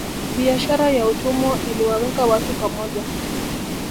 Biashara ya utumwa iliwaweka watu pamoja